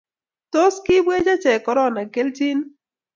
tos kiibwech achek korona keljin?